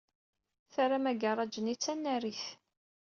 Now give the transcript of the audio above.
Terram agaṛaj-nni d tanarit.